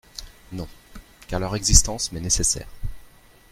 Non… car leur existence m’est nécessaire.